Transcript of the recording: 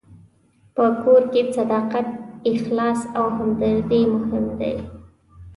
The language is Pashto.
په کور کې صداقت، اخلاص او همدردي مهم دي.